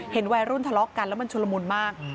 วัยรุ่นทะเลาะกันแล้วมันชุลมุนมาก